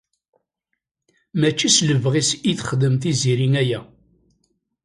Mačči s lebɣi-s i texdem Tiziri aya.